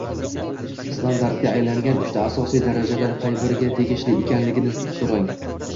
standartga aylangan uchta asosiy darajadan qay biriga tegishli ekanligini so’rang